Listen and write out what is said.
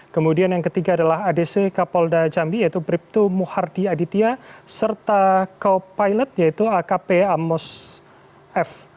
kemudian yang ketiga adalah adc kapolda jambi yaitu bribtu muhardi aditya serta co pilot yaitu akp amos f